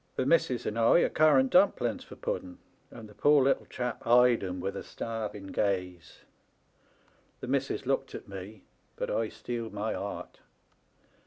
The missis and I had currant dumplings for pudden, and the poor little chap eyed *em with a starving gaze. The missis looked at me, but I steeled my 'art.